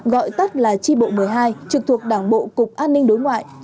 gọi tắt là tri bộ một mươi hai trực thuộc đảng bộ cục an ninh đối ngoại